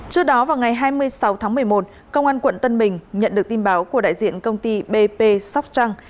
trước đó vào ngày hai mươi sáu tháng một mươi một công an quận tân bình nhận được tin báo của đại diện công ty bp sóc trăng